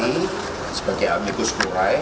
ibu megawati sebagai amikus kurai